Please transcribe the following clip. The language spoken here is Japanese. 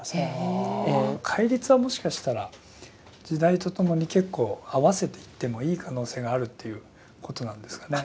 戒律はもしかしたら時代とともに結構合わせていってもいい可能性があるっていうことなんですかね？